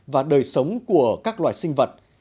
và đời sống của các loài sinh vật